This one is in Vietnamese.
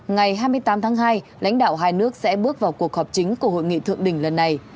ngày hai mươi tám tháng hai lãnh đạo hai nước sẽ bước vào cuộc họp chính của hội nghị thượng đỉnh lần này